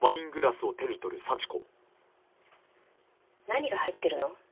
何が入ってるの？